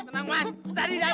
tenang mas saya di datang